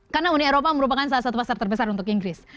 karena uni eropa merupakan salah satu pasar terbesar untuk inggris